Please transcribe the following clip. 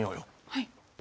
はい。